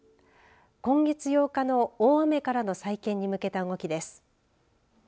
今月８日の大雨からの再建に向けた動きです。